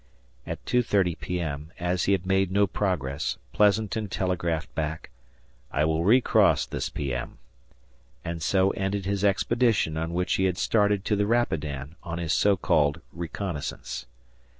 At 2.30 P.M., as he had made no progress, Pleasanton telegraphed back, "I will recross this P.M." And so ended his expedition on which he had started to the Rapidan, on his so called reconnaissance.